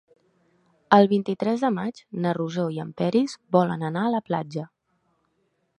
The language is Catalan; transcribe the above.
El vint-i-tres de maig na Rosó i en Peris volen anar a la platja.